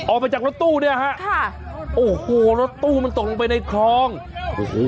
ออกมาจากรถตู้เนี่ยฮะค่ะโอ้โหรถตู้มันตกลงไปในคลองโอ้โห